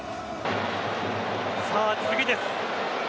さあ次です。